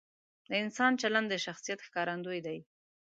د انسان چلند د شخصیت ښکارندوی دی.